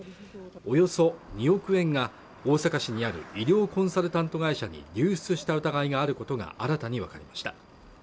およそ２億円が大阪市にある医療コンサルタント会社に流出した疑いがあることが新たに分かりました